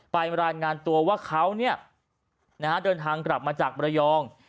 ไปรายงานตัวว่าเขาเนี่ยนะฮะเดินทางกลับมาจากประยอง